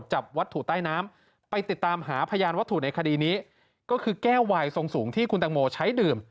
หาพยานวัตถุในคดีนี้ก็คือแก้ววายส่งสูงที่คุณตังโมใช้ดื่ม